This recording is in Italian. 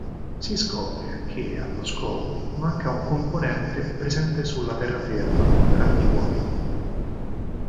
Si scopre che, allo scopo, manca un componente presente sulla terraferma, tra gli uomini.